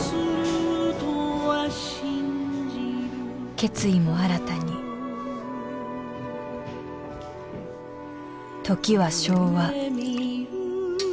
決意も新たに時は昭和